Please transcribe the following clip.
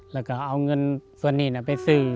แล้วก็เอาเงินส่วนนี้ไปซื้อ